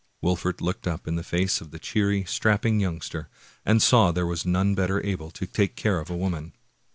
" Wolfert looked up in the face of the cheery, strapping youngster, and saw there was none better able to take care of a woman.